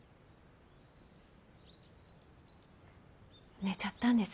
寝ちゃったんです。